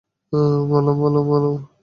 মলম, মলম।